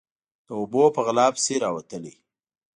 _د اوبو په غلا پسې راوتلی.